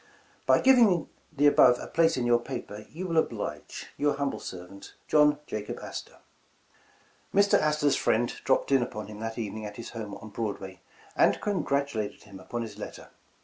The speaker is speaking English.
*' 'By giving the above a place in your paper, you will oblige, '' 'Your humble servant, '' 'JOHN JACOB ASTOR.' '' Mr. Astor 's friends dropped in upon him that even ing at his home on Broadway, and congratulated him upon his letter.